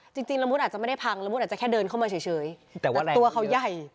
จริงจริงละมุดอาจจะไม่ได้พังละมุดอาจจะแค่เดินเข้ามาเฉยแต่ว่าตัวเขาใหญ่